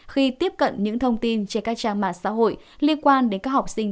khi tiếp cận những thông tin trên các trang mạng xã hội liên quan đến các học sinh